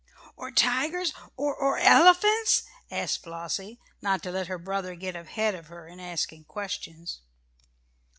"Or tigers or or elephants?" asked Flossie, not to let her brother get ahead of her in asking questions.